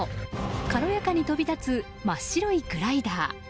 軽やかに飛び立つ真っ白いグライダー。